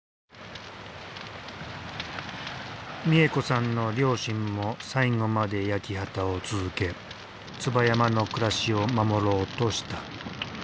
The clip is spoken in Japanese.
美恵子さんの両親も最後まで焼き畑を続け椿山の暮らしを守ろうとした。